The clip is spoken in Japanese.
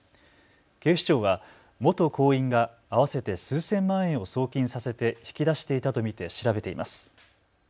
警視庁は元行員が合わせて数千万円を送金させて引き出していたと見て調べています。